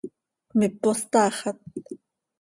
¿Mipos taaxat?